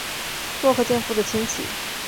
落合建夫的亲戚。